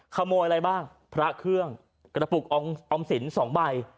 ขโมยอะไรบ้างพระเครื่องกระปุกออมสินสองใบ